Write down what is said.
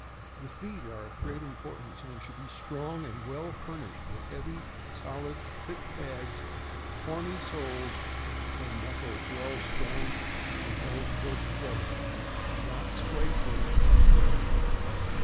The feet are of great importance, and should be strong and well fur nished with heavy, solid, thick pads, horny soles, and knuckles well sprung and held close together, not splay , footed or spreading.